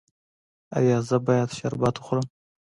ایا زه باید شربت وخورم؟